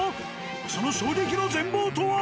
その衝撃の全貌とは！？